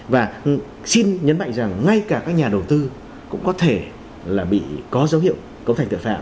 và xin nhấn mạnh rằng ngay cả các nhà đầu tư cũng có thể là bị có dấu hiệu cấu thành tội phạm